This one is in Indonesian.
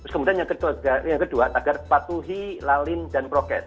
kemudian yang kedua agar patuhi lalin dan prokes